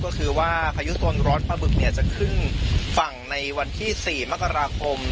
ก็คือว่าพายุโซนร้อนปลาบึกจะขึ้นฝั่งในวันที่๔มกราคม